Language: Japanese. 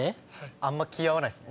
あんま気合わないっすね。